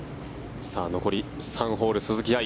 残り３ホール、鈴木愛。